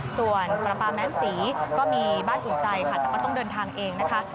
ส่วนปลาปลาแม้นศรีก็มีบ้านอุ่นใจค่ะแต่ก็ต้องเดินทางเองนะคะ